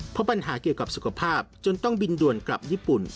เพราะปัญหาเกี่ยวกับสุขภาพจนต้องบินด่วนกลับญี่ปุ่น